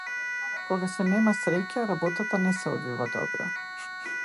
Кога се нема среќа работата не се одвива добро.